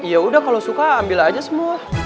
yaudah kalau suka ambil aja semua